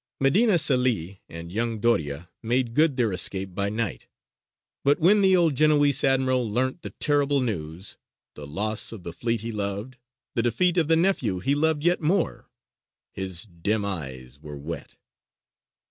Medina Celi and young Doria made good their escape by night. But when the old Genoese admiral learnt the terrible news, the loss of the fleet he loved, the defeat of the nephew he loved yet more, his dim eyes were wet.